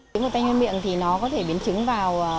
tiếng của tay chân miệng thì nó có thể biến chứng vào